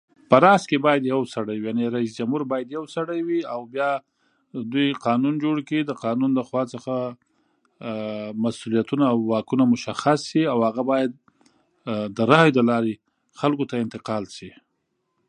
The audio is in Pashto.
په رأس کې باید یو سړی وي یعنی رئیس جمهور باید یو سړی وي او بیا دوی قانون جوړ کړي او د قانون لخوا څخه مسؤولیتونه او واکونه مشخص شي او هغه باید د رأیی له لارې خلکو ته انتقال شي.